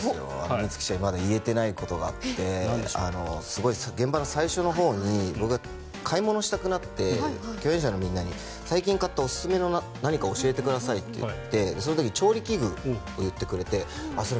充希ちゃんにまだ言えてないことがあって現場の最初のほうに僕が買い物したくなって共演者のみんなに最近買ったおすすめの何かを教えてくださいって言ってその時に調理器具を言ってくれてそれ